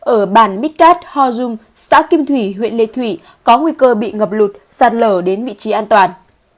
ở bản mít cát hò dung xã kim thủy huyện lệ thủy có nguy cơ bị ngập lụt sạt lở đến vị trí an toàn